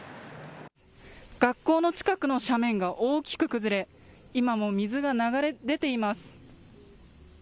学校の近くの斜面が大きく崩れ、今も水が流れ出ています。